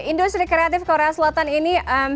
industri kreatif korea selatan ini